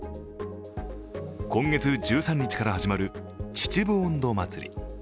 今月１３日から始まる秩父音頭まつり。